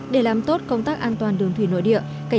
để làm tốt công tác an toàn đường thủy nội địa